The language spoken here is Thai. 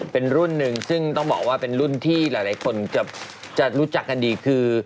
เป็นรุ่นหนึ่งซึ่งต้องบอกว่าเป็นรุ่นที่หลายคนจะรู้จักกันดีคือ